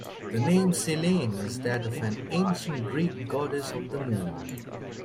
The name Selene is that of an ancient Greek goddess of the Moon.